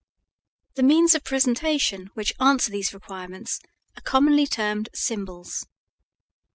The means of presentation which answer these requirements are commonly termed "symbols."